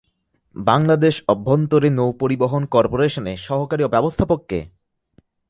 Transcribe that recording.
বাংলাদেশ অভ্যন্তরীণ নৌপরিবহন করপোরেশনের সহকারী ব্যবস্থাপক কে?